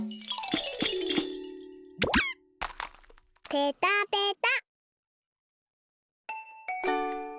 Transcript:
ペタペタ。